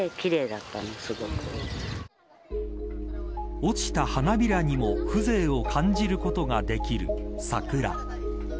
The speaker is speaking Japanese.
落ちた花びらにも風情を感じることができる桜。